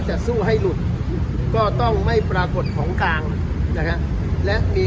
จะสู้ให้หลุดก็ต้องไม่ปรากฏของกลางนะฮะและมี